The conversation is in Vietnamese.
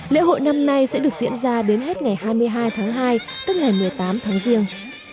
lễ hội năm nay sẽ được diễn ra đến hết ngày hai mươi hai tháng hai tức ngày một mươi tám tháng riêng